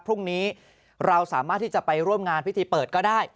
พรุ่งนี้เราสามารถที่จะไปร่วมงานพิธีเปิดก็ได้